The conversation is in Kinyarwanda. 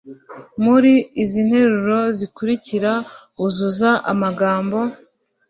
Muri izi nteruro zikurikira uzuza amagambo